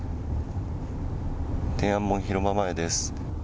天安門広場前です。